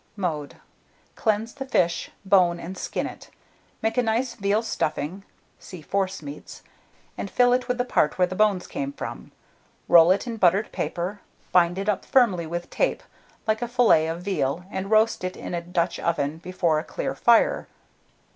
Mode. Cleanse the fish, bone and skin it; make a nice veal stuffing (see Forcemeats), and fill it with the part where the bones came from; roll it in buttered paper, bind it up firmly with tape, like a fillet of veal, and roast it in a Dutch oven before a clear fire.